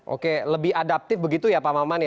oke lebih adaptif begitu ya pak maman